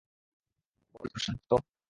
বল, প্রশান্ত।